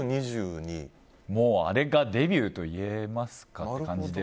あれがデビューと言えますかって感じで。